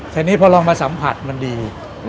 ทีนี้พอลองมาสัมผัสมันดี